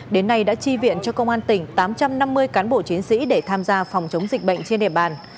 đến nay đã chi viện cho công an tỉnh tám trăm năm mươi cán bộ chiến sĩ để tham gia phòng chống dịch bệnh trên địa bàn